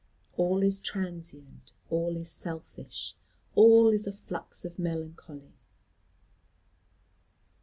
All is transient, all is selfish, all is a flux of melancholy.